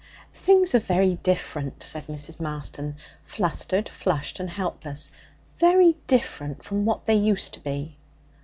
'Things are very different,' said Mrs. Marston, flustered, flushed and helpless 'very different from what they used to be.'